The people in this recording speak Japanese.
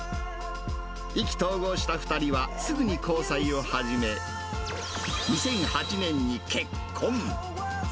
意気投合した２人はすぐに交際を始め、２００８年に結婚。